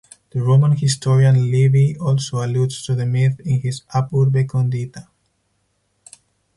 The Roman historian Livy also alludes to the myth in his "Ab Urbe Condita".